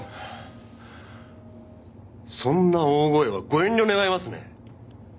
そんな大声はご遠慮願いますね。